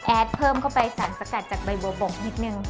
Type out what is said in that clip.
แอดเพิ่มเข้าไปสั่นสกัดจากใบบวกนิดนึง